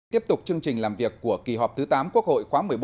tiếp tục chương trình làm việc của kỳ họp thứ tám quốc hội khóa một mươi bốn